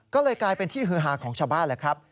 ก็เลยกลายเป็นที่หื้อหาของชะบ้าน